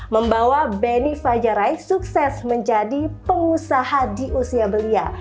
membawa benefajarai sukses menjadi pengusaha di usia belia